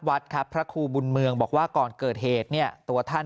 วัดครับพระครูบุญเมืองบอกว่าก่อนเกิดเหตุเนี่ยตัวท่าน